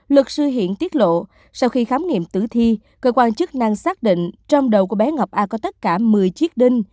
luật sư hiện tiết lộ sau khi khám nghiệm tử thi cơ quan chức năng xác định trong đầu của bé ngọc a có tất cả một mươi chiếc đinh